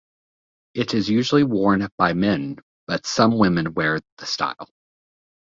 It is usually worn by men, but some women wear the style.